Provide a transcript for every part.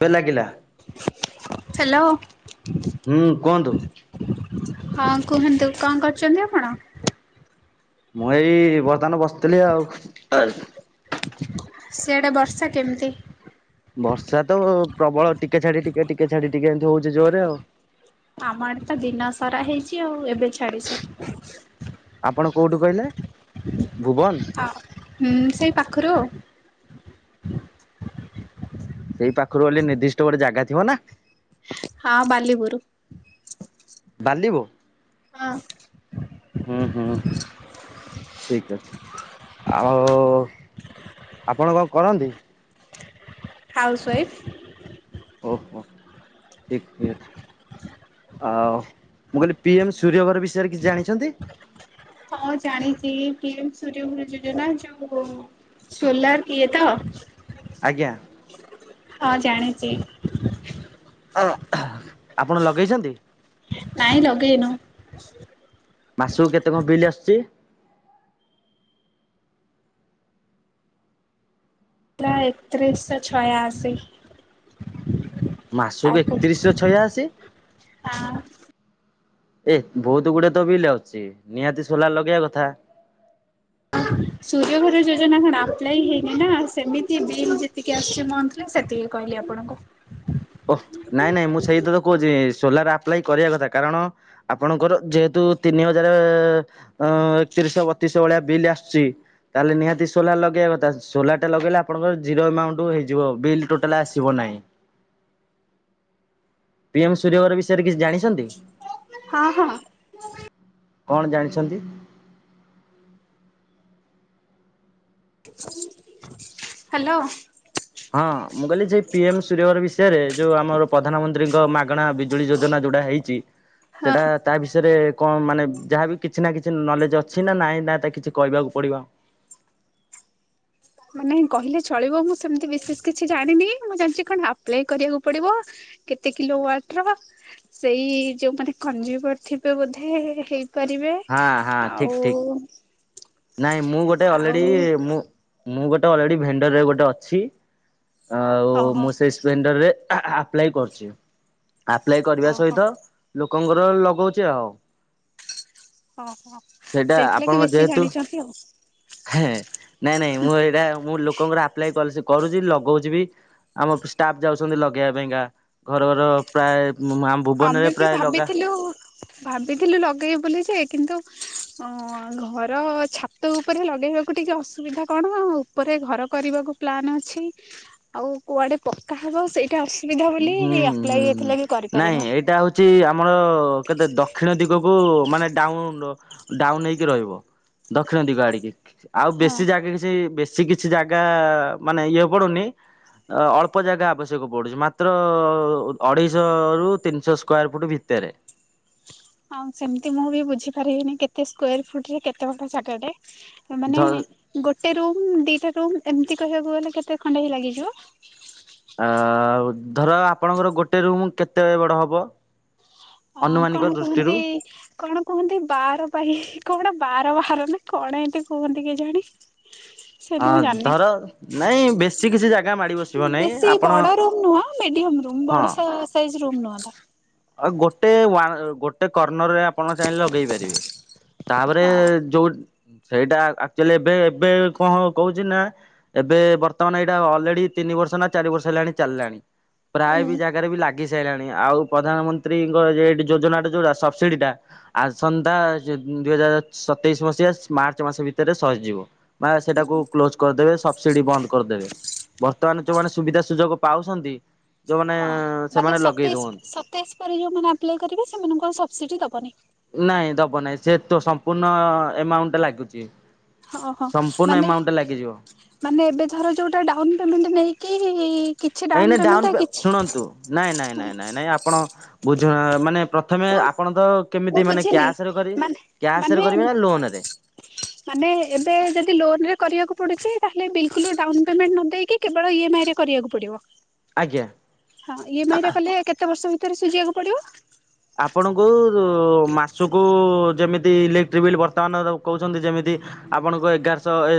ସ ଲାଗିଲା। ହ୍ୟାଲୋ। ହୁଁ କୁହନ୍ତୁ? ହଁ କୁହନ୍ତୁ କଣ କରୁଛନ୍ତି ଆପଣ? ମୁଁ ଏଇ ବର୍ତ୍ତମାନ ବସିଥିଲି ଆଉ। ସିଆଡ଼େ ବର୍ଷା କେମିତି? ବର୍ଷା ତ ପ୍ରବଳ ଟିକେ ଛାଡି ଟିକେ ଟିକେ ଛାଡି ଟିକେ ଏମିତି ହଉଛି ଜୋରେ ଆଉ। ଆମ ଆଡେ ଦିନ ସାରା ହେଇଛି ଆଉ ଏବେ ଛାଡିଛି। ଆପଣ କୋଉଠୁ କହିଲେ? ଭୁବ ଆ ହୁଁ ସେଇ ପାଖରୁ ଆଉ। ସେଇ ପାଖରୁ ଗଲେ ନିର୍ଦ୍ଦିଷ୍ଟ ଗୋଟେ ଜାଗା ଥିବ ନା? ହଁ ବାଲିପୁରୁ। ବାଲିବ? ହଁ। ହୁଁ ହୁଁ। ଠିକ୍ ଅଛି ଆଉ ଆପଣ କଣ କରନ୍ତି? ହାଉସ୍ୱାଇଫ୍। ଓହୋ ଠିକ ଅଛି। ଆଓ ମୁଁ କହିଲି ପି ଏମ୍ ସୂର୍ଯ୍ୟ ଘର ବିଷୟରେ କିଛି ଜାଣିଛନ୍ତି? ହଁ ଜାଣିଛି ପିଏମ ସୂଯ୍ୟଘରଯୋଜନା ଯୋଉ ସୋଲାର ଇଏ ତ? ଆଜ୍ଞା। ହଁ ଜାଣିଛି। ଅ ହ ଆପଣ ଲଗେଇଛନ୍ତି? ନାଇଁ ଲଗେଇନୁ। ମାସକୁ କେତେ କଣ ବିଲ୍ ଆସୁଛି? ପ୍ରାୟ ଏକତିରିଶ ଛୟାଅଶୀ। ମାସକୁ ଆକୁ ଏକତିରିଶ ଛୟାଅଶି? ହଁ। ଏ ବହୁତ ଗୁଡେ ତ ବିଲ୍ ଅଛି ନିହାତି ସୋଲାର ଲଗେଇବା କଥା। ସୂର୍ଯ୍ୟ ଘର ଯୋଜନା କଣ ଆପ୍ଲଇ ହେଇନି ନା ସେମିତି ବିଲ୍ ଯେତିକି ଆସଛି ମନ୍ଥ ସେତିକି କହିଲି ଆପଣଙ୍କୁ। ଓହ ନାଇଁ ନାଇଁ ମୁଁ ସେଇତ ତ କହୁଛି ସୋଲାର ଆପ୍ଲାାଇ କରିବା କଥା କାରଣ ଆପଣଙ୍କର ଯେହେତୁ ତିନି ହଜାର ଅ ଏକତିରିଶ ବତିଶ ଭଳିଆ ବିଲ୍ ଆସିୁଛି। ତାହେଲେ ନିହାତି ସୋଲାର ଲଗେଇବା କଥା ସୋଲାରଟା ଲଗେଇଲେ ଆପଣର ଜିର ଏମାଉଣ୍ଟ ହେଇଯିବ ବିଲ୍ ଟୋଟାଲ ଆସିବ ନାହିଁ। ପିଏମ୍ ସୂର୍ଯ୍ୟଗର ବିଷୟରେ କିଛି ଜାଣିଛନ୍ତି। ହଁ ହଁ। କଣ ଜାଣିଛନ୍ତି? ହ୍ୟାଲୋ। ହଁ ମୁଁ କହିଲି ସେ ପି ଏମ ସୂର୍ଯ୍ୟଗର ବିଷୟରେ ଯୋଉ ଆମର ପ୍ରଧାନମନ୍ତ୍ରୀଙ୍କ ମାଗଣା ବିଜୁଳି ଯୋଜନା ଯୋଉଟା ହେଇ ଚି ହଁ। ସେଟା ତା ବିଷୟରେ କଣ ମାନେ ଯାହାବି କିଛି ନା କିଛି ନଲେଜ ଅଛି ନା ନାଇଁ ନା ତା କିଛି କହିବାକୁ ପଡିବ। ମାନେ କହିଲେ ଚଳିବ ମୁଁ ସେମିତି ବିଶେଷ କିଛି ଜାଣିନି ମୁଁ ଜାଣିଛି କଣ ଆପ୍ଲାଏ କରିବାକୁ ପଡିବ। କେତେ କିଲୋ ୱାଟର ସେଇ ଯୋଉମାନେ କଂଜୁମର ଥିବେ ବୋଧେ ହେ କରିବେ ହଁ ହଁ ଠିକ ଆଉ ଠିକ ନାଇଁ ମୁଁ ଗୋଟେ ଆଉ ଅଲରେଡ଼ି ମୁଁ ମୁଁ ଗୋଟେ ଅଲରେଡ଼ି ଭେଣ୍ଡରରେ ଗୋଟେ ଅଛି। ଆଉ ହଁ ହଁ ମୁଁ ସେ ସ୍ପେଣ୍ଡର ରେ ଆପ୍ଲାଏ କରୁଛି। ଆପ୍ଲାଏ କରିବା ଓହୋ ସହିତ ଲୋକଙ୍କର ଲଗଉଛି ଆଉ। ଓହୋ ସେଇଟା ସେଇଥିଲାଗି ଆପଣଙ୍କ ବେଶୀ ଯେହେତୁ ଜାଣିଛନ୍ତି ଆଉ। ହେଁ ନାଇଁ ନାଇଁ ମୁଁ ଏଇଟା ମୁଁ ଲୋକଙ୍କର ଆପ୍ଲାଏ କରୁଛି ଲଗଉଛି ବି। ଆମ ଷ୍ଟାଫ୍ ଯାଉଛନ୍ତି ଲଗେଇବା ପାଇଁକା ଘର ଘର ପ୍ରାୟ ଉଁ ମୋ ମା ଆମେ ବି ଭାବିଥିଲୁ ଭାବିଥିଲୁ ଲଗେଇବୁ ବୋଲି ଯେ କିନ୍ତୁ ଓ ଘର ଛାତ ଉପରେ ଲଗେଇବାକୁ ଟିକେ ଅସୁବିଧା କଣ ଉପରେ ଘର କରିବାକୁ ପ୍ଲନ୍ ଅଛି ଆଉ କୁଆଡେ ପକ୍କା ହେବ ସେଇ ଟା ଅସୁବିଧା ବୋଲି ଆପ୍ଲାଏ ହେଇଥିଲା କି କରିିବ୍ ନାହିଁ ଏଇଟା ହେଉଛି ଆମର କେତେ ଦକ୍ଷିଣ ଦିଗକୁ ମାନେ ଡାଉନ ଡାଉନ ହେଇକି ରହିବ ଦକ୍ଷିଣ ଦିଗ ଆଡିକି ଆଉ ହଁ ବେଶୀ ଜାଗା କିଛି ବେ ସି କିଛି ଜାଗା ମାନେ ଇଏ ପଡୁନି ଅଳ୍ପ ଜାଗା ଆବଶ୍ୟକ ପଡୁଛି ମା ତ୍ର ଅଢେଇଶହ ରୁ ତିନିଶହ ସ୍କ୍ୟାର ଫୁଟ୍ ଭିତରେ। ଆଉ ସେମିତି ମୁଁ ବି ବୁଝି ପାରିବିନି କେତେ ସ୍କୋର ଫୁଟ୍ ରେ କେତେ ବଡ ଜାଗାଟେ। ମାନେ ଝ ଗୋଟେ ରୁମ୍ ଦିଟା ରୁମ୍ ଏମିତି କହିବାକୁ ଗଲେ କେତେ ଖଣ୍ଡେ ହେଇ ଲାଗିଯିବ? ଆ ଧର ଆପଣଙ୍କର ଗୋଟେ ରୁମ କେତେ ବଡ ହବ? ଅ ଅନୁମାନିକ କଣ ଦୃଷ୍ଟିରୁ କୁହନ୍ତି କଣ? କୁହନ୍ତି ବାର ପାଇଁ କଣ ବାର ବାହାର ନା କଣ ଏମତି କୁହନ୍ତି କେଜାଣି? ହଁ ସେମିତି ମୁଁ ଜାଣିନି। ଧର ନାଇଁ ବେଶୀ କିଛି ଜାଗା ମାଡି ବସିବ ନାଇଁ ବେଶୀ ଆପଣ ବଡ ରୁମ୍ ନୁହଁ ମିଡିୟମ ରୁମ୍ ହଁ ବଡ ସାଇଜ ରୁମ୍ ନୁହଁ। ଆଉ ଗୋଟେ ଉୟା ଗୋଟେ କର୍ଣ୍ଣର ରେ ଆପଣ ଚାହିଁଲେ ଲଗେଇ ପାରିବେ। ତାପରେ ହଁ ଯୋଉ ସେଇଟା ଆକ୍ଚୁଆଲି ଏବେ ଏବେ କଣ କହୁଛି ନା ଏବେ ବର୍ତ୍ତମାନ ଏଇଟା ଅଲରେଡି ତିନି ବର୍ଷ ନା ଚାରି ବର୍ଷ ହେଲାଣି ଚାଲାଣି। ପ୍ରାୟ ହୁଁ। ବି ଜାଗାରେ ବି ଲାଗି ସାରିଲାଣି ଆଉ ପ୍ରଧାନମନ୍ତ୍ରୀଙ୍କ ଯେ ଯୋଜନା ଟା ଯୋଉଟା ସବସିଡି ଟା ଆସନ୍ତା ଦୁଇ ହଜାର ସତେଇଶ ମସିହା ମାର୍ଚ୍ଚ ମାସ ଭିତରେ ସରିଯିବ। ବା ସେଟାକୁ କ୍ଲୋଜ କରିଦେବେ ସବସିଡି ବନ୍ଦ କରିଦେବେ। ବର୍ତ୍ତମାନ ଯୋଉମାନେ ସୁବିଧା ସୁଯୋଗ ପାଉଛନ୍ତି ଯୋଉମାନେ ହଁ ମାନେ ସେମାନେ ଲଗେଇ ସତେଇଶ ଦଉଅନ୍ତି। [unintelligible] ଯୋଉମାନେ ଆପ୍ଲାଏ କରିବେ ସେମାନଙ୍କୁ ସବସିଡି ଦବନି। ନାଇଁ ଦବ ନାହିଁ ସେ ତ ସମ୍ପୂର୍ଣ୍ଣ ଏମାଉଣ୍ଟ ଟେ ଲାଗୁଛି। ହଁ ହଁ ସମ୍ପୂର୍ଣ୍ଣ ମାନେ ଏମାଉଣ୍ଟ ଟେ ଲାଗିଯିବ। ମାନେ ଏବେ ଧର ଯୋଉଟା ଡାଉନ ପେମେଣ୍ଟ ନେଇକି କିଛି ଡାଉନ ଏହେଲେ ପେମେଣ୍ଟ ଡାଉନ୍ କିଛି ଶୁଣନ୍ତୁ ନାଇଁ ନାଇଁ ନାଇଁ ନାଇଁ ନାଇଁ ଆପଣ ବୁଝୁ ନା ମାନେ ପ୍ର ଥମେ ହଁ ଆପଣ ତ ମୁଁ କେମିତି ମାନେ ବୁଝିଲି କ୍ୟାସରେ କରେ ମାନେ ମାନେ କ୍ୟାସରେ କରିବେ ନା ଲୋନରେ? ମାନେ ଏବେ ଯଦି ଲୋନ ରେ କରିବାକୁ ପଡୁଛି ତାହେଲେ ବିଲକୁଲ ଡାଉନ ପେମେଣ୍ଟ ନ ଦେଇକି କେବଳ ଇଏ ମାଆ ଆଇ ରେ କରିବାକୁ ପଡିବ? ଆଜ୍ଞା। ହଁ ଇଏ ମାଇରେ କହଲେ କେତେ ବର୍ଷ ଭିତରେ ସୁଝିବାକୁ ପଡିବ? ଆପଣଙ୍କୁ ମାସକୁ ଯେମିତି ଇଲେକ୍ଟ୍ରିକ ବିଲ୍ ବର୍ତ୍ତମାନ କହୁଛନ୍ତି ଯେମିତି ଆପଣଙ୍କ ଏଗାରଶହ ଏ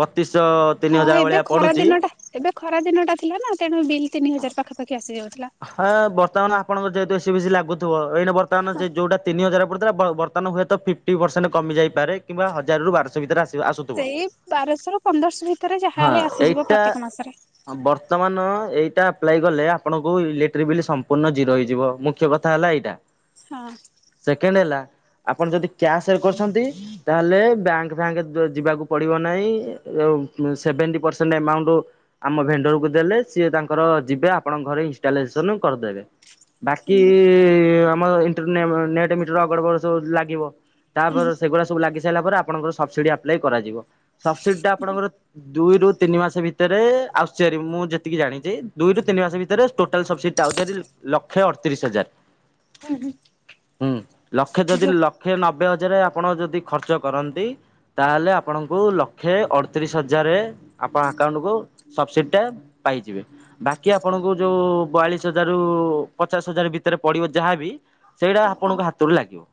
ବତିଶଶହ ତିନି ହଁ ହଜାର ଏବେ ଭଳିଆ ଖରା ପଡୁଛି। ଦିନଟା ଏବେ ଖରା ଦିନଟା ଥିଲା ନା ତେଣୁ ବିଲ୍ ତିନି ହଜାର ପାଖାପାଖି ଆସି ଯାଉଥିଲା। ହଁ ବର୍ତ୍ତମାନ ଆପଣଙ୍କର ଯେହେତୁ ଏସି ଫେଶି ଲାଗୁଥିବ ଏଇଟା ବର୍ତ୍ତମାନ ସେ ଯୋଉଟା ତିନି ହଜାର ବର୍ତ୍ତମାନ ହୁଏତ ଫି୍ଟି ପରସେଣ୍ଟ କମିଯାଇପାରେ କିମ୍ବା ହଜାରରୁ ବାରଶହ ଭିତରେ ଆସିବ ଆଉ ସବୁ ସେଇ ବାରଶହ ରୁ ପନ୍ଦରଶହ ଭିତରେ ହଁ ଯାହାହଲେ ଆସିଯିବ ଏଇଟା ପ୍ରତ୍ୟେକ ମାସରେ। ବର୍ତ୍ତମାନ ଏଇଟା ଆପ୍ଲାଇ କଲେ ଆପଣଙ୍କୁ ଆଉ ଇଲେଟ୍ର ବିଲ୍ ସମ୍ପୂର୍ଣ୍ଣ ଜିରୋ ହେଇଯିବ ମୁଖ୍ୟ କଥା ହେଲା ଏଇଟା। ହଁ। ସେକେଣ୍ଡ ହେଲା ଆପଣ ଯଦି କ୍ୟାସରେ କରିଛନ୍ତି? ତାହେଲେ ବ୍ୟାଙ୍କ ଫ୍ୟାଙ୍କ ଯିବାକୁ ପଡିବ ନାହିଁ ସେଭେଣ୍ଟି ପରସେଣ୍ଟ ଏମାଉଣ୍ଟ ଆମ ଭେଣ୍ଡରକୁ ଦେଲେ ସିଏ ତାଙ୍କର ଯିବେ ଆପଣଙ୍କ ଘରେ ଇଁ ଇନଷ୍ଟାଲାଇଜେସନ କରିଦେବେ ବାକି ହୁଁ ଆମ ଇନ୍ ଟ ମିଟର ଅଗଡ ବଗଡ଼ ସବୁ ଲାଗିବ ହୁଁ ତାପରେ ସେଗୁଡା ସବୁ ଲାଗି ପରେ ଆପଣଙ୍କର ସବସିଡି ଆପ୍ଲାଏ କରାଯିବ ସବସିଡି ଟା ଆପଣଙ୍କର ଦୁଇରୁ ତିନି ମାସ ଭିତରେ ଆସୁଛି ଭାରି ମୁଁ ଯେତିକି ଜାଣିଛି ଦୁଇରୁ ତିନି ମାସ ଭିତରେ ଟୋଟାଲ ସବସିଡିଡା ଆସୁଛି ଭାରି ଲକ୍ଷେ ଅଠତିରିଶ ହଜାର। ହୁଁ ହୁଁ। ହୁଁ ଲକ୍ଷେ ଯଦି ଲକ୍ଷେ ନବେ ହଜାର ଆପଣ ଯଦି ଖର୍ଚ୍ଚ କରନ୍ତି। ତାହେଲେ ଆପଣଙ୍କୁ ଲକ୍ଷେ ଅଠତିରିଶ ହଜାର ଆପଣ ଆକାଉଣ୍ଟକୁୁ ସବସିଡି ଟା ପାଇଯିବେ ବାକି ଆପଣଙ୍କୁ ଯୋଉ ବୟାଳିଶ ହଜାରରୁ ପଚାଶ ହଜାର ଭିତରେ ପଡିବ ଯାହାବି ସେଇଟା ହଁ। ଆପଣଙ୍କ ହାତରୁ ଲାଗିବ।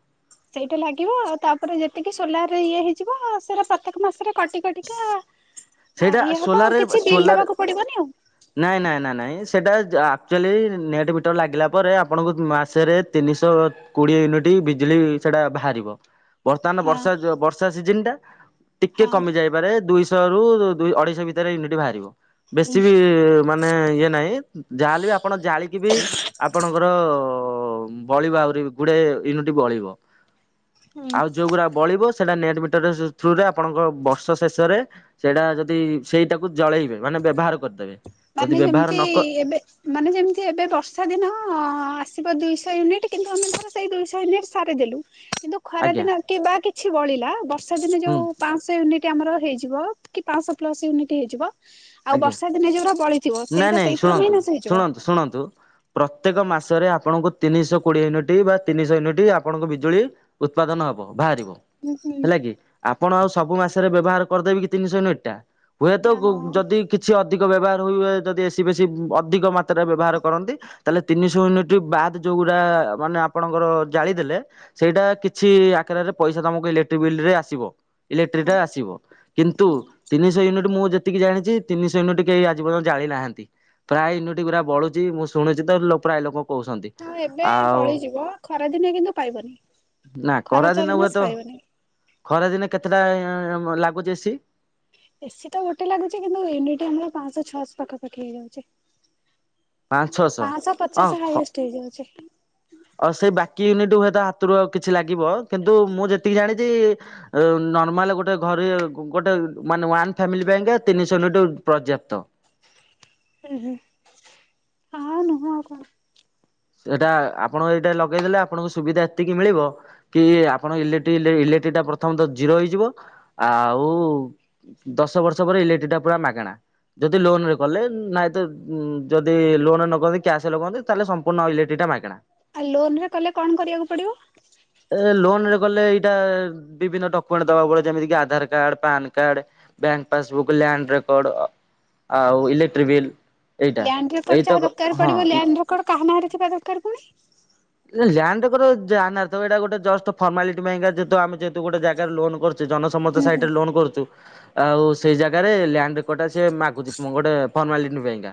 ସେଇଟା ଲାଗିବ ଆଉ ତାପରେ ଯେତିକି ସୋଲାର ଇଏ ହେଇଯିବ ସେଟା ପ୍ରତ୍ୟେକ ମାସରେ କଟି କଟିକା ସେଇଟା ଇଏ ହବ ଆଉ କିଛି ସୋଲାରରେ ବିଲ୍ ସୋଲାର ଦବାକୁ ପଡିବନି ଆଉ ନାଇଁ ନାଇଁ ନା ନାଇଁ ସେଇଟା ଆକ୍ଚୁଆଲି ନେଟ୍ ମିଟର ଲାଗିଲା ପରେ ଆପଣଙ୍କୁ ମାସେରେ ତିନିଶହ କୋଡିଏ ୟୁନିଟ୍ ବିଜୁଳି ସେଟା ବାହାରିବ। ବର୍ତ୍ତମାନ ହଁ ବର୍ଷା ବର୍ଷା ସିଜିନ ଟା ଟିକେ ହଁ କମିଯାଇପାରେ ଦୁଇଶହ ଅଢେଇଶ ଭିତରେ ନି ବାହାରିବ ବେଶୀ ହୁଁ। ବି ମାନେ ଇଏ ନାହିଁ ଯାହାହେଲେ ବି ଆପଣ ଜାଳିକି ବି ଆପଣଙ୍କର ବଳିବ ଆହୁରି ଗୁଡାଏ ୟୁନିଟ୍ ବଳିବ। ହୁଁ ଆଉ ଯୋଉଗୁଡା ବଳିବ ସେଇଟା ନେଟ ମିଟର ଥ୍ରୁରେ ଆପଣଙ୍କ ବର୍ଷ ଶେଷରେ ସେଇଟା ଯଦି ସେଇଟାକୁ ଜଳେଇବେ ମାନେ ବ୍ୟବହାର କରିଦେବେ। ଯଦି ମାନେ ବ୍ୟବହାର ଯେମିତି ନ କ ଏବେ ମାନେ ଯେମିତି ଏବେ ବର୍ଷା ଦିନ ଆସିବ ଦୁଇଶହ ୟୁନିଟ୍ କିନ୍ତୁ ଆମେ ତ ସେଇ ଦୁଇଶହ ୟୁନିଟ୍ ସାରିଦେଲୁ। କିନ୍ତୁ ଖରା ଆଜ୍ଞା ଦିନ କି ବା କିଛି ବଳିଲା ବର୍ଷା ଦିନେ ହୁଁ ଯୋଉ ପାଞ୍ଚଶହ ୟୁନିଟ୍ ଆମର ହେଇଯିବ କି ପାଞ୍ଚଶହ ପ୍ଲସ ୟୁନିଟ ହେଇଯିବ ଆଉ ଆଜ୍ଞା ବର୍ଷା ଦିନେ ଯୋଉଗୁଡା ନାଇଁ ନାଇଁ ଶୁଣନ୍ତୁ ଶୁଣନ୍ତୁ ଶୁଣନ୍ତୁ। ପ୍ରତ୍ୟେକ ମାସରେ ଆପଣଙ୍କୁ ତିନିଶହ କୋଡିଏ ୟୁନିଟ୍ ବା ତିନିଶହ ୟୁନିଟ୍ ଆପଣଙ୍କୁ ବିଜୁଳି। ଉତ୍ପାଦନ ହବ ବାହାରିବ। ହୁଁ ହୁଁ। ହେଲା କି ଆପଣ ଆଉ ସବୁ ମାସରେ ବ୍ୟବହାର କରିଦେବ କି ତିନିଶହ ୟୁନିଟଟା ହୁଏତ ହଁ ଯଦି କିଛି ଅଧିକ ବ୍ୟବହାର ହୁଏବା ଯଦି ଏସି ବେଶୀ ଅଧିକ ମାତ୍ରାରେ ବ୍ୟବହାର କରନ୍ତି ତାହେଲେ ତିନିଶହ ୟୁନିଟ୍ ବାଦ୍ ଯେଉଁଗୁରା ମାନେ ଆପଣଙ୍କର ଜାଳିଦେଲେ ସେଇଟା କିଛି ଆକାରରେ ପଇସା ତମକୁ ଇଲେକ୍ଟ୍ରିକ ବିଲ ରେ ଆସିବ। ଇଲେକ୍ଟ୍ରିଟା ଆସିବ କିନ୍ତୁ ହଁ ତିନିଶହ ୟୁନିଟ୍ ମୁଁ ଯେତିକି ଜାଣିଚି ଯେ ତିନିଶ ୟୁନିଟି କେହି ଆଜି ପର୍ଯ୍ୟନ୍ତ ଜାଳିନାହାନ୍ତି। ପ୍ରାୟ ଇନୋଟି ପୁରା ବଳୁଚି ମୁଁ ଶୁଣୁଚି ତ ପ୍ରାୟ ଲୋକ କହୁଛନ୍ତି। ହଁ ଏବେ ଆଉ ପଳେଇଯିବ ଖରା ଦିନିଆ କିନ୍ତୁ ପାଇବନି। ନା ଖରା ଚାରି କରାଦିନେ ମାସ ହୁଏତ ପାଇବନି। ଖରାଦିନେ କେତେଟା ଲାଗୁଚି ଏସି? ଏସିି ତ ଗୋଟେ ଲାଗୁଚି କିନ୍ତୁ ୟୁନିଟି ଆମର ପାଆଁଶହ ଛଅଶହ ପାଖପାଖି ହେଇଯାଉଚି। ପାଞ୍ଚ ଛଅଶହ ପାଞ୍ଚଶହ ହଁ ପଚାଶ ଖ ହାଇଏଷ୍ଟ ହେଇଯାଉଚି। ଆଉ ସେଇ ବାକି ୟୁନିଟ ହୁଏତ ହାତରୁ ଆଉ କିଛି ଲାଗିବ କିନ୍ତୁ ମୁଁ ଯେତିକି ଜାଣିଚି ନର୍ମାଲ ଗୋଟେ ଘରେ ଗୋଟେ ମାନେ ୱାନ ଫ୍ୟାମିଲ ପାଇଁକା ତିନିଶହ ୟୁନିଟ ପର୍ଯ୍ୟାପ୍ତ। ଉଁ ହୁ ହଁ ନୁହଁ ଆଉ କଣ? ସେଟା ଆପଣଙ୍କ ଏଇଟା ଲଗେଇ ଦେଲେ ଆପଣଙ୍କ ସୁବିଧା ଏତିକି ମିଳିବ କି ଆପଣ ଇଲେଟି ଇଲେ ଇଲେକ୍ଟ୍ରି ଟା ପ୍ରଥମତ ଜିରୋ ହେଇଯିବ ଆଉ ଦଶ ବର୍ଷ ପରେ ଇଲେକ୍ଟ୍ରି ଟା ପୁରା ମାଗଣା। ଯଦି ଲୋନ ରେ କଲେ ନାଇଁ ତ ଯଦି ଲୋନ ନ କରନ୍ତି କ୍ୟାସ ଲଗନ୍ତି ତାହେଲେ ସ ପୁନଃ ଇଲେକ୍ଟିତା ମାଗେଣା। ଆଉ ଲୋନ ରେ କଲେ କଣ କରିବାକୁ ପଡିବ? ଏ ଲୋନ ରେ ଗଲେ ଏଇଟା ବିଭିନ୍ନ ଡକ୍ୟୁମେଣ୍ଟ ଦବାକୁ ପଡିବ ଯେମିତିି Aadhaar card PAN card bank passbook land record ଆଉ ଇଲେକ୍ଟ୍ରିକ ବିଲ୍। ଏଇଟା ଲ୍ୟାଣ୍ଡ ରେକର୍ଡ ଯାହା ଏଇତକ ଦରକାର ହଁ ପଡିବ ଲ୍ୟାଣ୍ଡ ରେକଡ କାହା ନାଁରେ ଥିବା ଦରକାର ପୁଣି? ନା ଲ୍ୟାଣ୍ଡ ରେକର୍ଡ ଯାହା ନାଁ ରେ ଥବ ଏଟା ଗୋଟେ ଜଷ୍ଟ ଫର୍ମାଲିଟି ପାଇଁକା ଯେହେତୁ ଆମେ ଯେହେତୁ ଗୋଟେ ଜାଗାରେ ଲୋନ କରଛେ ଜନସେ ସମତେ ହୁଁ ହୁଁ ସାଇଟରେ ଲୋନ୍ କରୁଚୁ। ଆଉ ସେଇ ଜାଗାରେ ଲ୍ୟାଣ୍ଡ ରେକଡ ଟା ସିଏ ମାଗୁଚି ଗୋଟେ ଫର୍ମାଲିଟି ପାଇଁକା।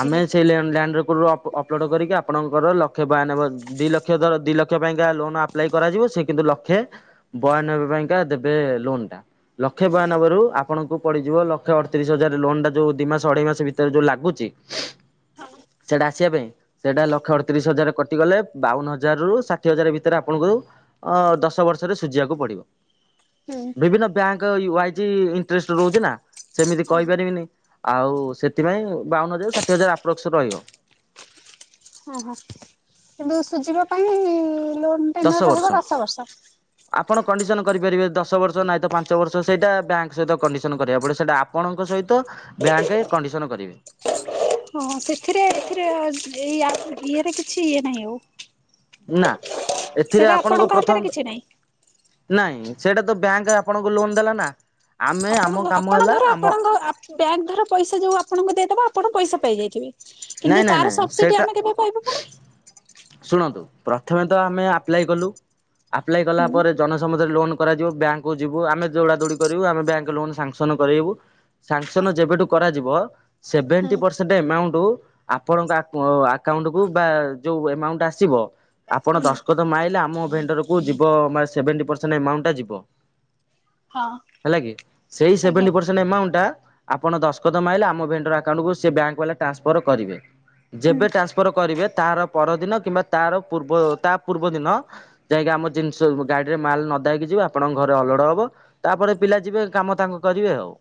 ଆମେ ସେଇ ଲ୍ୟାନ୍‌ ଲ୍ୟାଣ୍ଡ ରେକର୍ଡ ରୁ ଅପ ଅପଲୋଡ଼ କରିକି ଆପଣଙ୍କର ଲକ୍ଷ ବୟାନବେ ହ ଦି ଲକ୍ଷ ଧର ଦି ଲକ୍ଷ ପାଇଁକା ଲୋନ୍ ଆପ୍ଲାଏ କରାଯିବ ସେ କିନ୍ତୁ ଲକ୍ଷେ ବୟାନବେ ପାଇଁଙ୍କା ଦେବେ ଲୋନ୍ ଟା। ଲକ୍ଷେ ବୟାନବେରୁ ଆପଣଙ୍କୁ ପଡ଼ିଯିବ ଲକ୍ଷେ ଅଡ଼ତିରିଶ ହଜାର ଲୋନ୍ ଟା ଯୋଉ ଦୁଇ ମାସ ଅଢ଼େଇ ମାସ ଭିତରେ ଯଉ ଲାଗୁଚି ସେଟା ଆସିବା ପାଇଁ ସେଟା ଲକ୍ଷେ ଅଡ଼ତିରିଶ ହଜାର କ ଟି ଗଲେ ବାଉନ ହଜାର ରୁ ଷାଠିଏ ହଜାର ଭିତରେ ଆପଣଙ୍କୁ ଅ ଦଶ ବର୍ଷରେ ସୁଜିବାକୁ ପଡିବ। ହୁଁ। ବିଭିନ୍ନ ବ୍ୟାଙ୍କ ଇ ୟାଇଜ ଇଣ୍ଟ୍ରେଷ୍ଟ ରହୁଚି ନା ସେମିତି ଓହୋ କହିପାରିବିନି। ଆଉ ସେଥିପାଇଁ ବାଉନ ହଜାର ଷାଠିଏ ହଜାର ଆପ୍ରୋକ୍ସ ରହିବ। ଓହୋ କିନ୍ତୁ ସୁଝିବା ପାଇଁ ଲୋନ ଦଶ ବର୍ଷ। ଆପଣ କଣ୍ଡିସନ କରିପାରିବେ ଦଶ ବର୍ଷ ନହିଁ ତ ପାଞ୍ଚ ବର୍ଷ ସେଇଟା ବ୍ୟାଙ୍କ ସହିତ କଣ୍ଡିସନ କରିବାକୁ ପଡିବ ସେଇଟା ଆପ୍ କଣଙ୍କ ସହିତ ବ୍ୟାଙ୍କରେ କଣ୍ଡିସନ କରିବେ। ହଁ ସେଥିରେ ଏଥିରେ [unintelligible] ଇଏରେ କିଛି ଇଏ ନାହିଁ ଆଉ। ନା ଏଥିରେ ସେଇଟା ଆପଣଙ୍କ ହାତରେ ପ୍ରଥମତ କିଛି ନାହିଁ। ନାଇଁ ସେଇଟା ତ ବ୍ୟାଙ୍କ ଆପଣଙ୍କୁ ଲୋନ ଦେଲା ନା ଆମେ ଆମ ଆପଣ ଘ କାମ ଆପଣ ହେଲା ଧର ଆମ ଆପଣଙ୍କ ବ୍ୟାଙ୍କ ଧର ପଇସା ଯୋଉ ଆପଣଙ୍କୁ ଦେଇଦବ ଆପଣ ପଇସା ପାଇଯାଇଥିବେ। ନାଇଁ କିନ୍ତୁ ନାଇଁ ତାର ନାଇଁ ସବସିଟି ସେଇଟା ଆମେ କେବେ ପାଇବା ପୁଣି? ଶୁଣନ୍ତୁ ପ୍ରଥମେ ତ ଆମେ ଆପ୍ଲାଏ କଲୁ ଆପ୍ଲାଏ କଲା ହୁଁ। ପରେ ଜନସମୁଧରେ ଲୋନ କରାଯିବ ବ୍ୟାଙ୍କକୁୁ ଯିବୁ ଆମେ ଦୌଡ଼ା ଦୌଡ଼ି କରିବୁ ଆମେ ବ୍ୟାଙ୍କ ଲୋନ ସାଙ୍ଗସନ କରାଇବୁ। ସାଂସନ ଯେବେଠୁ କରାଯିବ ସେଭେଣ୍ଟି ହୁଁ। ପର ସେଏ ଆମାଉଣ୍ଟ ଆପଣଙ୍କ ଆକାଉଣ୍ଟୁକୁୁ ବା ଯୋଉ ଏମାଉଣ୍ଟ ଆସିବ। ଆପଣ ହୁଁ ଦଶଖତ ମ ଆଲେ ଆମ ଭେଣ୍ଟରକୁ ଯିବ ସେଭେଣ୍ଟି ପରସେଣ୍ଟ ଆମାଉଣ୍ଟଟା ଯିବ। ହଁ ହେଲା କି ସେଇ ଆଜ୍ଞା ସେଭେଣ୍ଟି ପର ଏମାଉଣ୍ଟଟା ଆପଣ ଦସ୍ତଖତ ମାଇଲେ ଆମ ଭେଣ୍ଡର ଆକାଉଣ୍ଟକୁ ସେ ବ୍ୟାଙ୍କବାଲା ଟ୍ରାନସ୍ଫର କରିବେ। ହୁଁ ଯେବେ ଟ୍ରାନ୍ସଫର କରିବେ ତାର ପରଦିନ କିମ୍ବା ତାର ପୂର୍ବ ତା ପୂର୍ବ ଦିନ ଯାଇକି ଆମ ଜିନିଷ ଗାଡ଼ିରେ ମାଲ୍ ନଦାହେଇକି ଯିବ ଆପଣଙ୍କ ଘରେ ଅଲୋଡ଼ ହବ। ତାପରେ ପିଲା ଯିବେ କାମ ତାଙ୍କ କରିବେ ଆଉ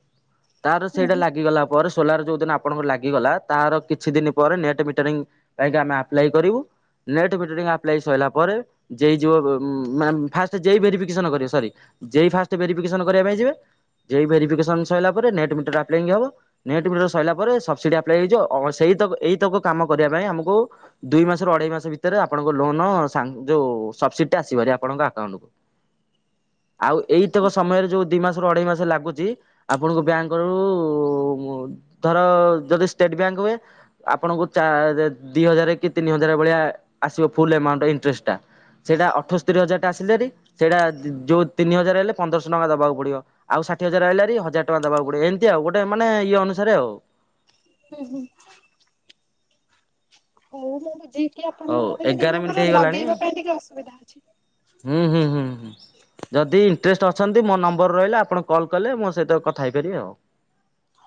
ତାର ସେଇଟା ହୁଁ। ଲାଗିଗଲା ପରେ ସୋଲାର ଯୋଉ ଦିନ ଆପଣଙ୍କ ଲାଗିଗଲା ତାର କିଛି ଦିନ ପରେ ନେଟ୍ ମିଟ ପାଇଁ ଆମେ ଆପ୍ ଲାଇ କରିବୁ। ନେଟ୍ ମିଟେରିଂ ଆପ୍ଲାଇ ସରିଲା ପରେ। ଯେ ଯୋଉ ମାନେ ଫାଷ୍ଟ ଜେଇ ଭେରିଫିକେସନ କରିବେ ସରି ଯେଇ ଫାଷ୍ଟ ଭେରିଫିକେସନ କରିବା ପାଇଁ ଯିବେ ଜେ଼ଇ ଭେରିଫିକେସନ ସରିଲା ପରେ ନେଟ୍ ମିଟର ଆପାଲାଇ ହବ। ନେଟ୍ ମିଟର ସରିଲା ପରେ ସବସିଡି ଆପ୍ଲାଇ। ହେଇଯିବ ସେ ଏଇତକ କାମ କରିବା ପାଇଁ ଆମକୁ ଦୁଇ ମାସରୁ ଅଢ଼େଇ ମାସ ଭିତରେ ଆପଣଙ୍କ ଲୋନ ଯୋଉ ସବସିଡ ଆସିବ ଭାରି ଆପଣଙ୍କ ଆକାଉଣ୍ଟ କୁ। ଆଉ ଏଇତକ ସମୟରେ ଯୋଉ ଦି ମାସ ଅଢେଇ ମାସ ଲାଗୁଛି ଆପଣଙ୍କ ବ୍ୟାଙ୍କ ରୁ ଧର ଯଦି ଷ୍ଟେଟ ବ୍ୟାଙ୍କ ହୁଏ ଆପଣଙ୍କୁ ଚାର ଦି ହଜାର କି ତିନି ହଜାର ଭଳିଆ ଆସିବ ଫୁଲ ଏମାଉଣ୍ଡ ଇନଷ୍ଟେଟା ସେଇଟା ଅଠସ୍ତରି ହଜାର ଟା ଆସିଲେ ଭାରି ସେଇଟା ଯୋଉ ତିନି ହଜାର ହେଲେ ପନ୍ଦରଶହ ଟଙ୍କା ଦବାକୁ ପଡିବ। ଆଉ ଷାଠିଏ ହଜାର ଆଇଲେ ହାରି ହଜାର ଟଙ୍କାଦେବାକୁ ପଡେଏମିତି ଆଉ ଗୋଟେ ମାନେଇଏ ଅନୁସାରେ ଆଉ। ହୁଁ ହୁଁ। ହଉ ମୁଁ ବୁଝିକି ହଉ ଆପଣଙ୍କୁ କହିବି ଏଗାର କିନ୍ତୁ ମିନିଟ୍ ଆମର ହେଇଗଲାଣି ଲଗେଇବା ପାଇଁ ଟିକେ ଅସୁବିଧା ଅଛି। ହୁଁ ହୁଁ ହୁଁ। ଯଦି ଇଣ୍ଟରେଷ୍ଟ ଅଛନ୍ତି ମୋ ନମ୍ବର ରହିଲା ଆପଣ କଲ୍ କଲେ ମୋ ସହିତ କଥା ହେଇପାରିବେ ଆଉ।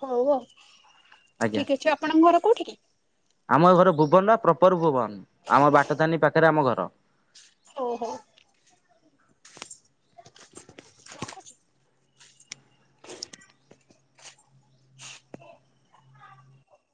ହଉ ହଉ ଆଜ୍ଞା। ଠିକ ଅଛି ଆପଣଙ୍କ ଘର କୋଉଠି କି? ଆମ ଘର ଭୁବନ ବା ପ୍ରପର ଭୁବନ ଆମ ବାଟଧାନୀ ପାଖରେ ଆମ ଘର। ଓହୋ।